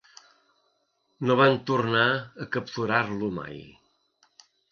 No van tornar a capturar-lo mai.